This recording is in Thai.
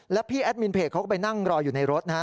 แล้วพี่แอดมินเพจเขาก็ไปนั่งรออยู่ในรถนะฮะ